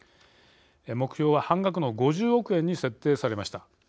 目標は半額の５０億円に設定されました。